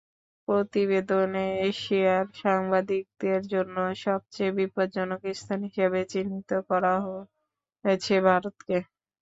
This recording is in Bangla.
প্রতিবেদনে এশিয়ার সাংবাদিকদের জন্য সবচেয়ে বিপজ্জনক স্থান হিসেবে চিহ্নিত করা হয়েছে ভারতকে।